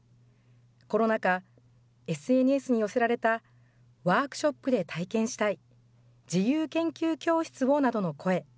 コロナ禍、ＳＮＳに寄せられた、ワークショップで体験したい、自由研究教室をなどの声。